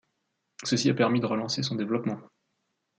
Ceci a permis de relancer son développement.